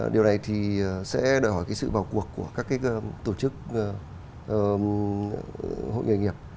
điều này thì sẽ đòi hỏi cái sự vào cuộc của các cái tổ chức hội nghề nghiệp